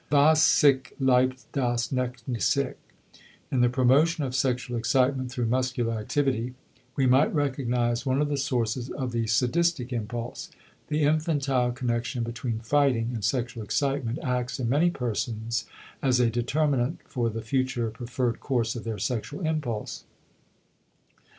"Was sich liebt, das neckt sich." In the promotion of sexual excitement through muscular activity we might recognize one of the sources of the sadistic impulse. The infantile connection between fighting and sexual excitement acts in many persons as a determinant for the future preferred course of their sexual impulse.